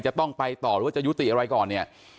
จะต้องไปต่อหรือว่าจะยุติอะไรก่อนเนี่ย